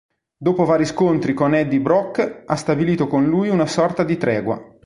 Dopo vari scontri con Eddie Brock ha stabilito con lui una sorta di tregua.